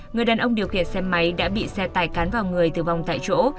người đàn ông điều khiển xe máy đã bị xe tải cắn vào người tử vong tại chỗ